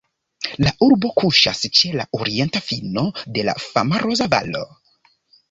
La urbo kuŝas ĉe la orienta fino de la fama Roza Valo.